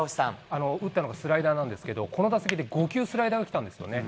打ったのがスライダーなんですけど、この打席で５球、スライダー打ったんですよね。